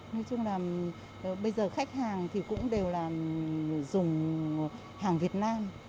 nói chung là bây giờ khách hàng thì cũng đều là dùng hàng việt nam